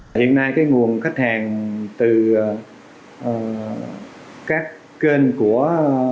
hiện nay nguồn khách hàng từ các kênh của